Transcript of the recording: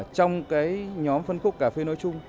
trong cái nhóm phân khúc cà phê nối chung